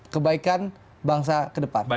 kebaikan bangsa ke depan